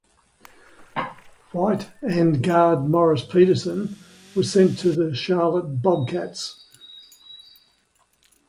White and guard Morris Peterson were sent to the Charlotte Bobcats.